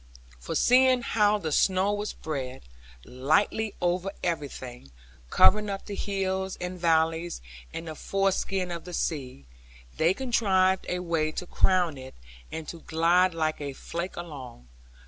For seeing how the snow was spread, lightly over everything, covering up the hills and valleys, and the foreskin of the sea, they contrived a way to crown it, and to glide like a flake along.